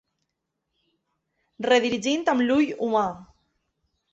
Redirigint amb l'ull humà.